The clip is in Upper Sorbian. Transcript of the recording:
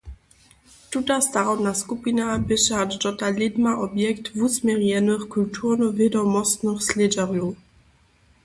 Tuta starobna skupina běše hač dotal lědma objekt wusměrjenych kulturnowědomostnych slědźenjow.